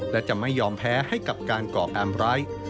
และจะไม่ยอมแพ้ให้กับการก่อการร้าย